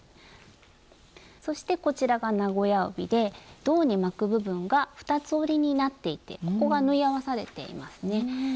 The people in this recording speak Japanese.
そしてこちらが名古屋帯で胴に巻く部分が二つ折りになっていてここが縫い合わされていますね。